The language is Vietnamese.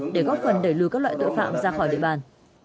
để lưu các loại tội phạm ra khỏi địa bàn